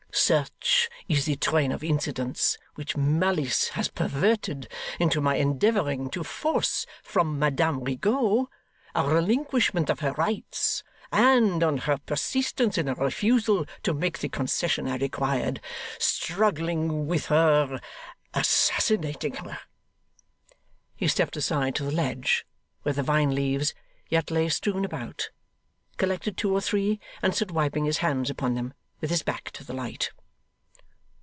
Such is the train of incidents which malice has perverted into my endeavouring to force from Madame Rigaud a relinquishment of her rights; and, on her persistence in a refusal to make the concession I required, struggling with her assassinating her!' He stepped aside to the ledge where the vine leaves yet lay strewn about, collected two or three, and stood wiping his hands upon them, with his back to the light.